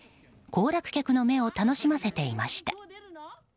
行楽客の目を楽しませていました。